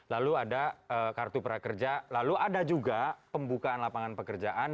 lalu ada kartu prakerja lalu ada juga pembukaan lapangan pekerjaan